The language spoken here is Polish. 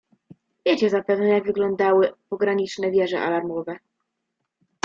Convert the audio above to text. "Wiecie zapewne, jak wyglądały pograniczne wieże alarmowe?"